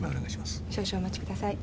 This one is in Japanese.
少々お待ちください。